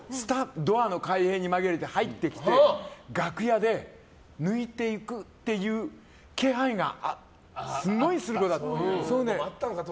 ドアの開閉に紛れて入ってきて楽屋で抜いていくっていう気配がすごいする子だった。